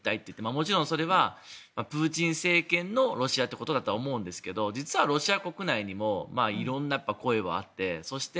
もちろんプーチン政権のロシアってことだとは思うんですけど実はロシア国内にもいろんな声はあってそして